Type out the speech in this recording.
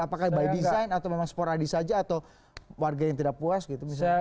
apakah by design atau memang sporadis saja atau warga yang tidak puas gitu misalnya